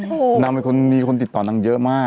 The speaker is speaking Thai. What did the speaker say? โอ้โฮนางมีคนติดต่อนางเยอะมาก